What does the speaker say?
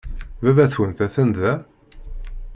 Baba-twent atan da?